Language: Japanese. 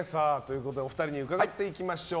お二人に伺っていきましょう。